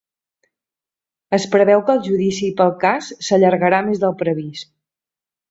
Es preveu que el judici pel cas s'allargarà més del previst